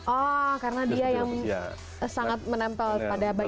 oh karena dia yang sangat menempel pada bayi